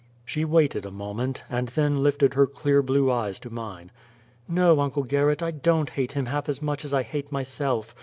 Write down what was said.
She waited a moment, and then lifted her clear blue eyes to mine. "No, Uncle Gerrit, I don't hate him half as much as I hate myself.